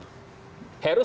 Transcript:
apakah mungkin heru mundur